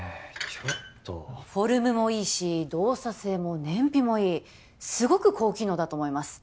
ちょっとフォルムもいいし動作性も燃費もいいすごく高機能だと思います